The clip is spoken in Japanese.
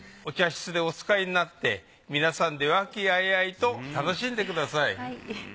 お茶室でお使いになって皆さんで和気あいあいと楽しんでください。